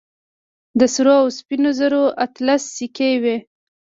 د سرو او سپينو زرو اتلس سيکې وې.